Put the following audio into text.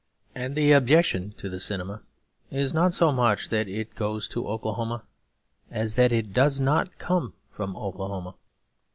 And the objection to the cinema is not so much that it goes to Oklahoma as that it does not come from Oklahoma.